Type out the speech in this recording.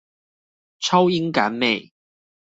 超英趕美